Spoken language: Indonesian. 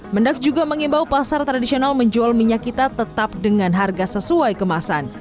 mendak juga mengimbau pasar tradisional menjual minyak kita tetap dengan harga sesuai kemasan